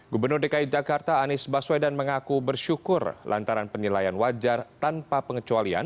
gubernur dki jakarta anies baswedan mengaku bersyukur lantaran penilaian wajar tanpa pengecualian